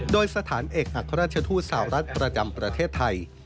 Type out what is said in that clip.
โดยสถานเอกอัครราชทูตสาวรัฐประจำประเทศไทย